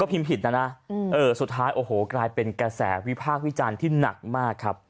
ก็พิมพ์ผิดนะสุดท้ายกลายเป็นกระแสวิภาควิจารณ์ที่หนักมาก